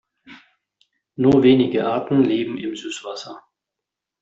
Nur wenige Arten leben im Süßwasser.